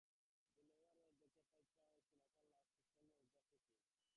Two years later, they captured Ivan Shishman's last strongholds and executed him.